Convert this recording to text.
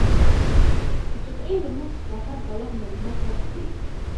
د جمعي لمونځ په هر بالغ نارينه فرض دی